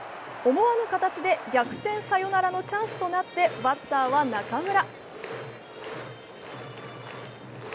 思わぬ形で逆転サヨナラのチャンスとなった、バッターは中村。